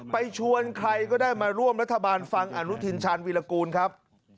ชวนใครก็ได้มาร่วมรัฐบาลฟังอนุทินชาญวีรกูลครับ